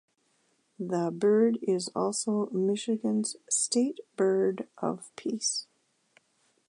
The bird is also Michigan's state bird of peace.